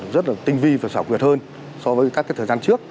rất là tinh vi và xảo quyệt hơn so với các thời gian trước